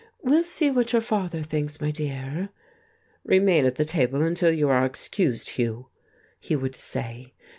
"We'll see what your father thinks, my dear." "Remain at the table until you are excused, Hugh," he would say.